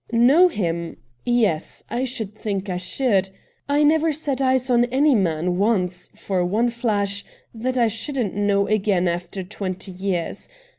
'Know him — yes — I should think I should ! I never set eyes on any man once — for one flash — that I shouldn't know again after twenty years.